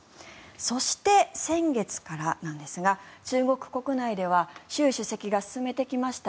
そして、先月からなんですが中国国内では習主席が進めてきました